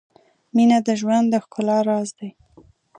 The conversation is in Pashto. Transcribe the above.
• مینه د ژوند د ښکلا راز دی.